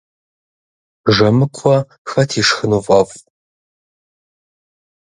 Жэмыкуэ хэт ишхыну фӏэфӏ?